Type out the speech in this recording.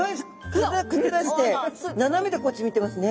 体くねらせて斜めでこっち見てますね。